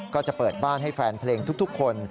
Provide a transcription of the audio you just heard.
ก็จะเปิดบ้านให้แฟนเพลงทุกคน